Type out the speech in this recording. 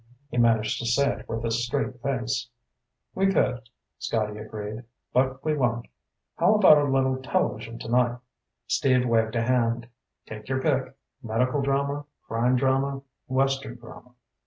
He managed to say it with a straight face. "We could," Scotty agreed. "But we won't. How about a little television tonight?" Steve waved a hand. "Take your pick. Medical drama, crime drama, western drama."